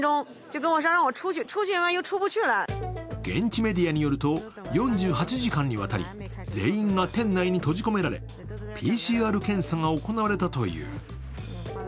現地メディアによると４８時間にわたり全員が店内に閉じ込められ、ＰＣＲ検査が行われたという。